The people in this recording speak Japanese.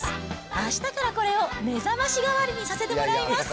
あしたからこれを目覚ましがわりにさせてもらいます。